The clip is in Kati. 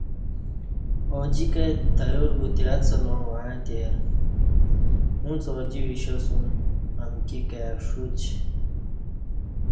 اوجِکہ تیار بُوتی اڅلاں وعݩتی اُݩڅ اوجی وِشیاسُوم امکی کائی ݜوچ